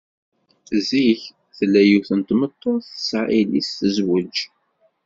Zik tella yiwet n tmeṭṭut tesɛa yelli-s tezwej.